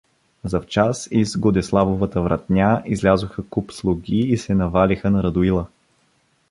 Завчас из Годеславовата вратня излязоха куп слуги и се навалиха на Радоила.